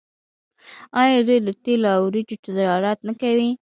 آیا دوی د تیلو او وریجو تجارت نه کوي؟